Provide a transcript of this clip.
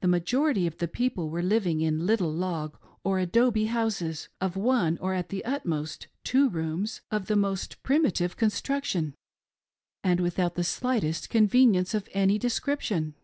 The majority of the people were living in little log or adobe houses, of one or at the utmost two rooms, of most primitive construction, and without the slightest convenience of any description.